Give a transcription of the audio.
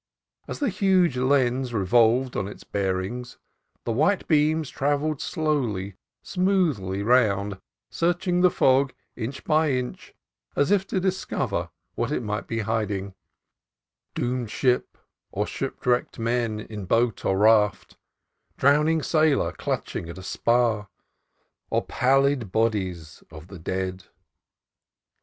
As the huge lens re volved on its bearings, the white beams travelled slowly, smoothly round, searching the fog inch by inch as if to discover what it might be hiding, — doomed ship, or shipwrecked men in boat or raft, drowning sailor clutching at a spar, or pallid bodies of the dead.